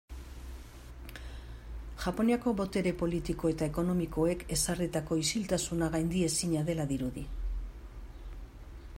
Japoniako botere politiko eta ekonomikoek ezarritako isiltasuna gaindiezina dela dirudi.